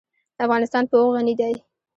افغانستان په اوښ غني دی.